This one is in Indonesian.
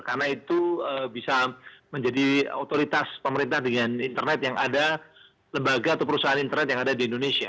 karena itu bisa menjadi otoritas pemerintah dengan internet yang ada lembaga atau perusahaan internet yang ada di indonesia